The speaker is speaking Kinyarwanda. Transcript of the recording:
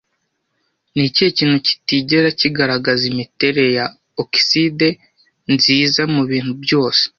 Ni ikihe kintu kitigera kigaragaza imiterere ya okiside nziza mubintu byose